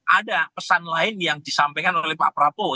ada pesan lain yang disampaikan oleh pak prabowo